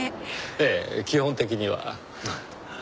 ええ基本的には。